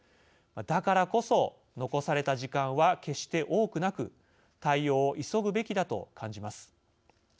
だからこそ残された時間は決して多くなく対応を急ぐべきだと感じます。